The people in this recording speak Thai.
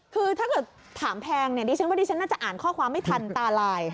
คือถ้าถ้าเกิดถามแพงดิฉันอาจจะอ่านข้อความไม่ทันตาไลน์